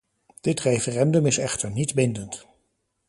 Dit referendum is echter niet bindend.